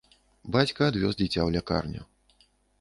Бацька адвёз дзіця ў лякарню.